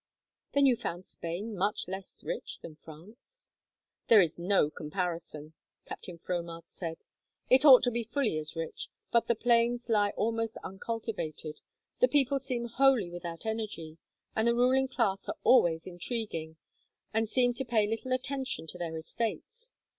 "Then you found Spain much less rich than France?" "There is no comparison," Captain Fromart said. "It ought to be fully as rich, but the plains lie almost uncultivated. The people seem wholly without energy, and the ruling class are always intriguing, and seem to pay little attention to their estates.